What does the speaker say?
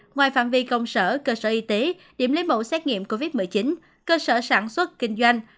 ngoài phạm vi công sở cơ sở y tế điểm lấy mẫu xét nghiệm covid một mươi chín cơ sở sản xuất kinh doanh